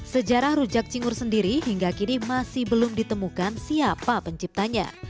sejarah rujak cingur sendiri hingga kini masih belum ditemukan siapa penciptanya